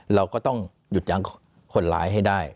เราก็ต้องหยุดยั้งคนร้ายให้ได้